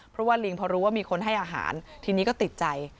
เพราะว่าลิงพอรู้ว่ามีคนให้อาหารทีนี้ก็ติดใจ